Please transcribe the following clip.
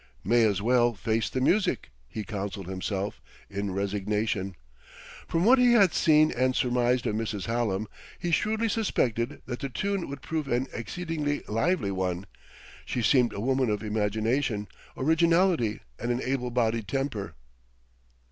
"May as well face the music," he counseled himself, in resignation. From what he had seen and surmised of Mrs. Hallam, he shrewdly suspected that the tune would prove an exceedingly lively one; she seemed a woman of imagination, originality, and an able bodied temper.